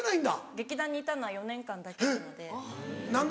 劇団にいたのは４年間だけなので。